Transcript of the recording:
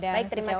baik terima kasih